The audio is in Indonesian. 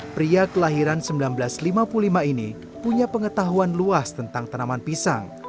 pria kelahiran seribu sembilan ratus lima puluh lima ini punya pengetahuan luas tentang tanaman pisang